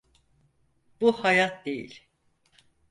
Bu hayat değil.